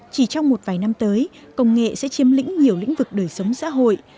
chỉ trong một vài năm tới công nghệ sẽ chiếm lĩnh nhiều lĩnh vực đời sống xã hội